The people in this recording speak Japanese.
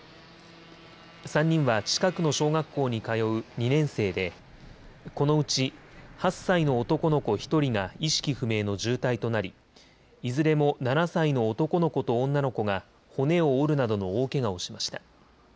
３人は近くの小学校に通う２年生でこのうち８歳の男の子１人が意識不明の重体となりいずれも７歳の男の子と女の子が骨を折るなどの大けがをしました。